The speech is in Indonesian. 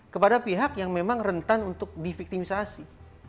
kepada pihak yang memang rentan untuk diviktimisasi